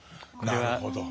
なるほど。